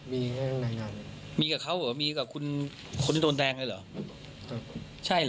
มีแค่รายงานมีกับเขาเหรอมีกับคุณคนที่โดนแทงเลยเหรอใช่เหรอ